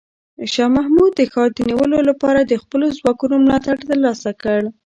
شاه محمود د ښار د نیولو لپاره د خپلو ځواکونو ملاتړ ترلاسه کړ.